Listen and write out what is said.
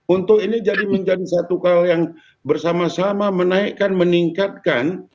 untuk ini jadi menjadi satu hal yang bersama sama menaikkan meningkatkan